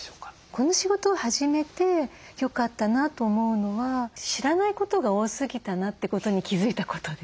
この仕事を始めてよかったなと思うのは知らないことが多すぎたなってことに気付いたことです。